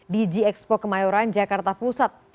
di g expo kemayoran jakarta pusat